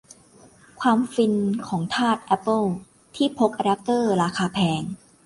ความฟินของทาสแอปเปิลที่พกอแดปเตอร์ราคาแพง